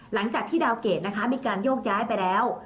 หลังจากที่ดาวเกรดนะคะมีการโยกย้ายไปแล้ว